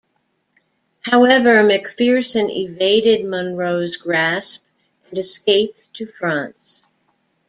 However Macpherson evaded Munro's grasp and escaped to France.